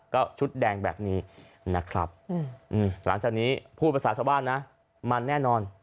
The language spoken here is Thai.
ก็ชุดแดงแบบนี้นะครับหลังจากนี้พูดภาษาชาวบ้านนะมันแน่นอน